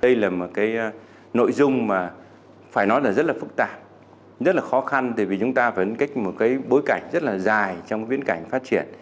đây là một nội dung mà phải nói là rất là phức tạp rất là khó khăn vì chúng ta vẫn có một bối cảnh rất là dài trong viễn cảnh phát triển